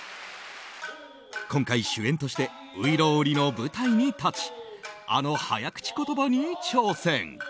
今回、主演として「外郎売」の舞台に立ちあの早口言葉に挑戦。